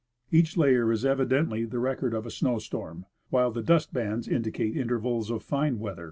Each layer is evidently the record of a snow storm, while the dust bands indicate intervals of fine weather.